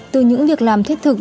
từ những việc làm thiết thực